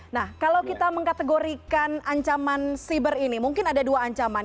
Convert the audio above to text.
nah kalau kita mengkategorikan ancaman siber ini mungkin ada dua ancaman